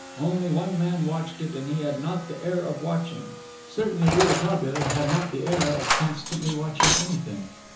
Only one man watched it, and he had not the air of watching. Certainly Rouletabille had not the air of constantly watching anything.